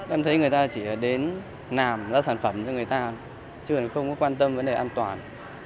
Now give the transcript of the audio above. em thấy người ta chỉ đến làm ra sản phẩm cho người ta chưa có quan tâm vấn đề an toàn